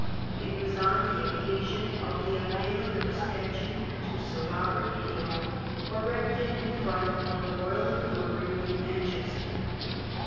It was on the occasion of the unveiling of a statue to Sir Robert Peel, erected in front of the Royal Infirmary in Manchester.